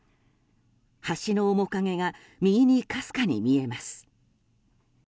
橋の面影が、右にかすかに見えます。